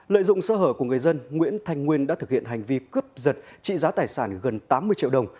lợi dụng sơ hở của người dân nguyễn thanh nguyên đã thực hiện hành vi cướp giật trị giá tài sản gần tám mươi triệu đồng